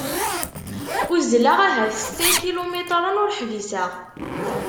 Uzzleɣ ahat setta ikilumitren ur ḥbiseɣ.